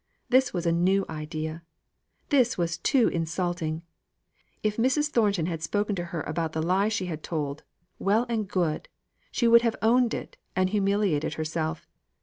This was a new idea this was too insulting. If Mrs. Thornton had spoken to her about the lie she had told, well and good she would have owned it, and humiliated herself.